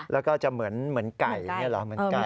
แล้วก็จะเหมือนไก่เนี่ยเหรอเหมือนไก่ใช่ไหม